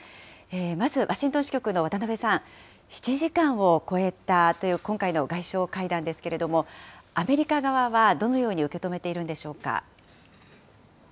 まず、ワシントン支局の渡辺さん、７時間を超えたという今回の外相会談ですけれども、アメリカ側はどのように受け止めているんでしょうか。